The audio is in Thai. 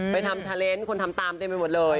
ไปทำเฉล็นคนทำตามได้ไหมหมดเลย